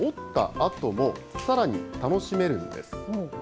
あとも、さらに楽しめるんです。